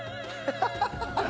ハハハハ！